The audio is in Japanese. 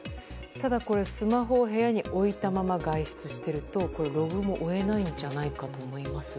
ただ、スマホを部屋に置いたまま外出しているとログも追えないんじゃないかと思いますが。